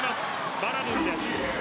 バラドゥンです。